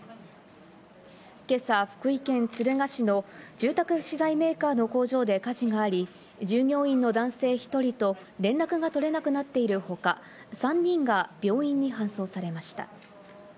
今朝、福井県敦賀市の住宅資材メーカーの工場で火事があり、従業員の男性１人と連絡が取れなくなっているほか、３人が病院に搬送されました。